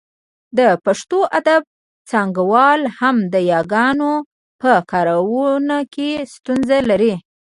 د پښتو ادب څانګوال هم د یاګانو په کارونه کې ستونزه لري